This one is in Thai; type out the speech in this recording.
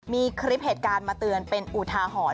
มีคลิปเหตุการณ์มาเตือนเป็นอุทาหรณ์